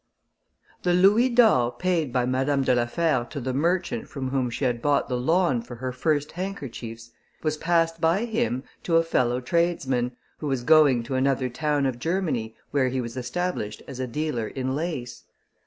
The louis d'or paid by Madame de la Fère to the merchant from whom she had bought the lawn for her first handkerchiefs, was passed by him to a fellow tradesman, who was going to another town of Germany, where he was established as a dealer in lace.